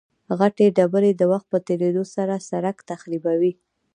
غټې ډبرې د وخت په تېرېدو سره سرک تخریبوي